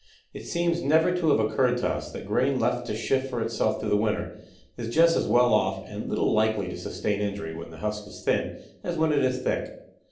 It seems never to have occurred to us that grain left to shift for itself through the winter is just as well off and little likely to sustain injury when the husk is thin as when it is thick.